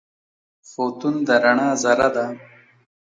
فوتون د رڼا ذره ده.